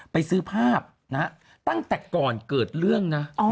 ไปซื้อภาพนะตั้งแต่ก่อนเกิดเรื่องนะ